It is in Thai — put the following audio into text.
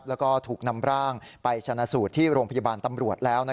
แล้วก็ถูกนำร่างไปชนะสูตรที่โรงพยาบาลตำรวจแล้ว